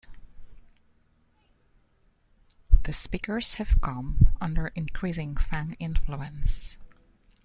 The speakers have come under increasing Fang influence.